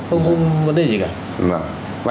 không có vấn đề gì cả